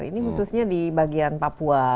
ini khususnya di bagian papua